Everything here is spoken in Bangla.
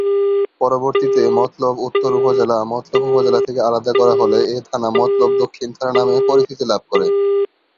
পরবর্তীতে মতলব উত্তর উপজেলা মতলব উপজেলা থেকে আলাদা করা হলে এ থানা মতলব দক্ষিণ থানা নামে পরিচিতি লাভ করে।